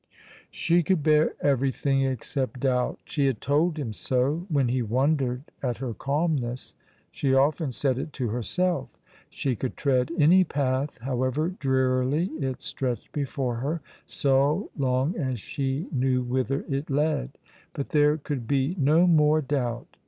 She could bear everything except doubt. She had told him so, when he wondered at her calmness; she often said it to herself. She could tread any path, however drearily it stretched before her, so long as she knew whither it led, but there could be no more doubt.